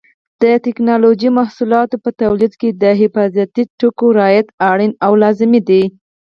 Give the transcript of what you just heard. د ټېکنالوجۍ محصولاتو په تولید کې د حفاظتي ټکو رعایت اړین او لازمي دی.